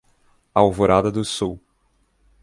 Alvorada do Sul